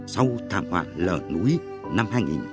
sau thảm họa lở núi năm hai nghìn một mươi